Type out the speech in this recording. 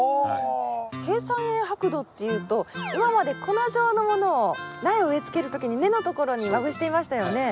珪酸塩白土っていうと今まで粉状のものを苗を植えつける時に根のところにまぶしていましたよね？